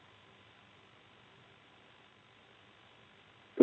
untuk makanan ya